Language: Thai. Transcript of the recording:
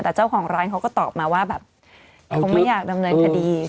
แต่เจ้าของร้านเขาก็ตอบมาว่าแบบคงไม่อยากดำเนินคดี